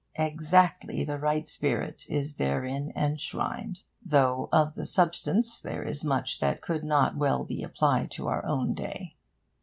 Exactly the right spirit is therein enshrined, though of the substance there is much that could not be well applied to our own day.